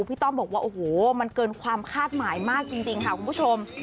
ต้อมบอกว่าโอ้โหมันเกินความคาดหมายมากจริงค่ะคุณผู้ชม